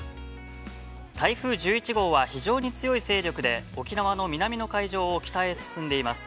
台風１１号は非常に強い勢力で沖縄の南の海上を北へ進んでいます。